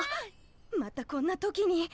またこんな時に。